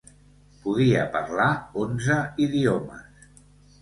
Podia parlar onze idiomes.